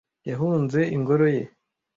Yahunze ingoro ye;